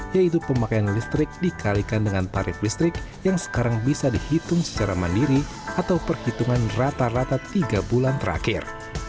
yaitu pemakaian listrik dikalikan dengan tarif listrik yang sekarang bisa dihitung secara mandiri atau perhitungan rata rata tiga bulan terakhir